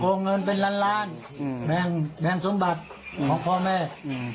โกงเงินเป็นล้านล้านอืมแม่งแม่งสมบัติอืมของพ่อแม่อืม